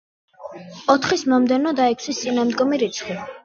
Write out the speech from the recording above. ოთხის მომდევნო და ექვსის წინამდგომი რიცხვი.